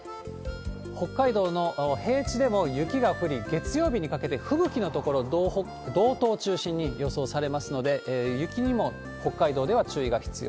北海道の平地でも雪が降り、月曜日にかけて吹雪の所、道東を中心に予想されますので、雪にも、北海道では注意が必要。